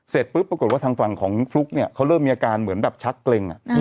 เสร็จปุ๊บปรากฏว่าทางฝั่งของฟลุ๊กเนี่ยเขาเริ่มมีอาการเหมือนแบบชักเกร็ง